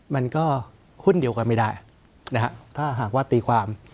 มันก็หุ้นเดียวกันไม่ได้นะฮะถ้าหากว่าตีความ